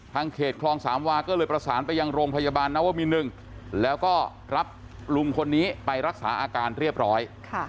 เขตคลองสามวาก็เลยประสานไปยังโรงพยาบาลนวมิน๑แล้วก็รับลุงคนนี้ไปรักษาอาการเรียบร้อย